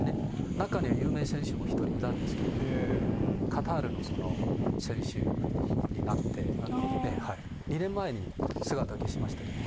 中には有名選手も１人いたんですけど、カタールの選手になって、２年前に姿消しましたけど。